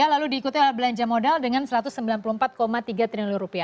lalu diikuti oleh belanja modal dengan rp satu ratus sembilan puluh empat tiga triliun